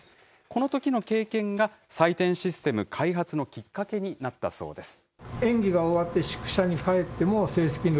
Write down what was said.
このときの経験が、採点システム開発のきっかけになったそうです。